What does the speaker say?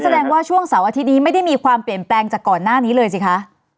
แสดงว่าช่วงเสาร์อาทิตย์นี้ไม่ได้มีความเปลี่ยนแปลงจากก่อนหน้านี้เลยสิคะ